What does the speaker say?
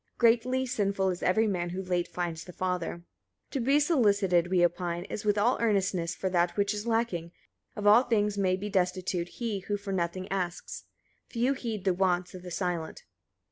Greatly sinful is every man who late finds the Father. 28. To be solicited, we opine, is with all earnestness for that which is lacking: of all things may be destitute he who for nothing asks: few heed the wants of the silent.